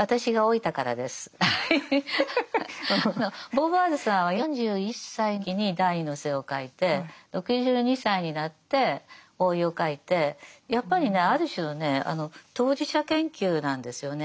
ボーヴォワールさんは４１歳のときに「第二の性」を書いて６２歳になって「老い」を書いてやっぱりねある種のね当事者研究なんですよね。